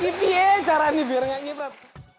ipa cara ini biar nggak ngifrat